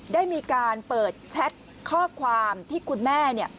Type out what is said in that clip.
ได้มีการเปิดแชตเข้าความที่คุณแม่เนี่ย